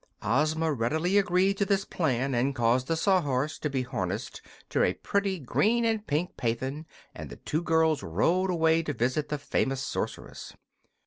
Ozma readily agreed to this plan and caused the Sawhorse to be harnessed to a pretty green and pink phaeton, and the two girls rode away to visit the famous sorceress.